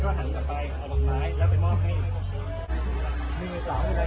ก็หันกลับไปพล่ายแล้วไปมอบให้หนึ่งสาม